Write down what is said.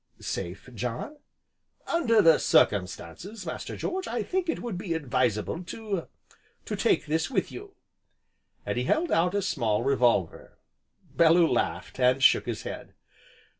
"Safe, John?" "Under the circumstances, Master George, I think it would be advisable to to take this with you." And he held out a small revolver. Bellew laughed, and shook his head.